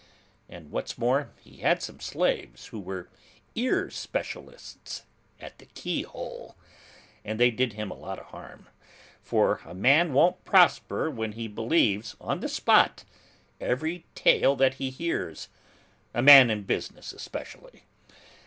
And what's more, he had some slaves who were ear specialists at the keyhole, and they did him a lot of harm, for a man won't prosper when he believes, on the spot, every tale that he hears; a man in business, especially.